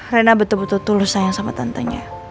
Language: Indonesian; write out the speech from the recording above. rena betul betul tulus sayang sama tantenya